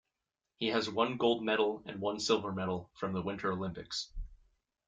He has one gold medal and one silver medal from the Winter Olympics.